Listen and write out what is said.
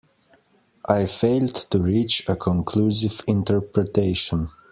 I failed to reach a conclusive interpretation.